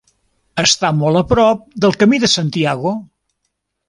Està molt a prop del Camí de Santiago.